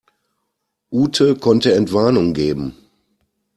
Ute konnte Entwarnung geben.